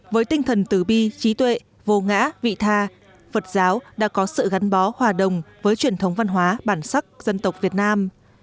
với tinh thần tứ bi trí tuệ vô ngã vị tha phật giáo đã có sự gắn bó hòa đồng với truyền thống văn hóa bản sắc dân tộc việt nam